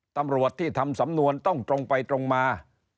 ตำรวจที่ทำสำนวนต้องตรงไปตรงมา